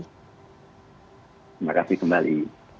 terima kasih kembali